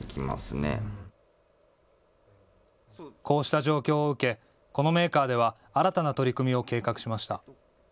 こうした状況を受けこのメーカーでは新たな取り組みを計画しました。